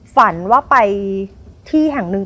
ฝันว่าไปที่แห่งหนึ่ง